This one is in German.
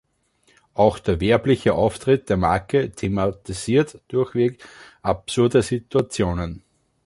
Auch der werbliche Auftritt der Marke thematisiert durchweg absurde Situationen.